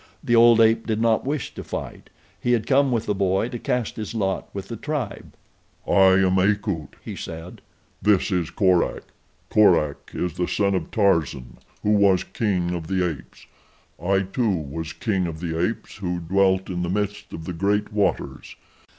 The old ape did not wish to fight. He had come with the boy to cast his lot with the tribe. "I am Akut," he said. "This is Korak. Korak is the son of Tarzan who was king of the apes. I, too, was king of the apes who dwelt in the midst of the great waters.